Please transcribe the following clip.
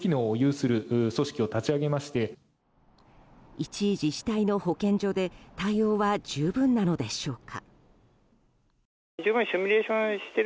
一自治体の保健所で対応は十分なのでしょうか。